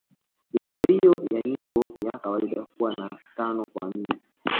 Mipangilio ya nyimbo ya kawaida huwa ya Tano kwa nne